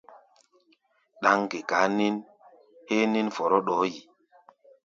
Ɗáŋ ŋgekaa nín héé nín fɔrɔ ɗɔɔ́ yi.